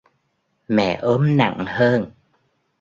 mẹ ốm nặng hơn